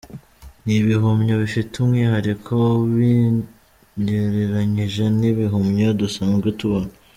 Ni ibihumyo bifite umwihariko ubigereranyije n’ibihumyo dusanzwe tubona.